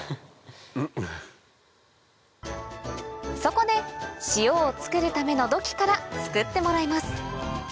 そこで塩を作るための土器から作ってもらいます